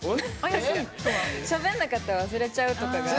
しゃべんなかったら忘れちゃうとかがあって。